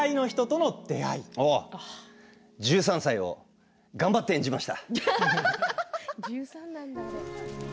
１３歳を頑張って演じました。